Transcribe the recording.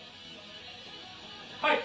はい！